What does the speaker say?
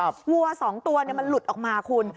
วัว๒ตัวมันหลุดออกมาคุณ